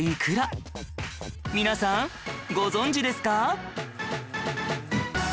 皆さんご存じですか？